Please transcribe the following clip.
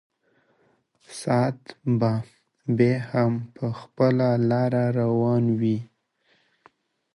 ساعت به بیا هم په خپله لاره روان وي.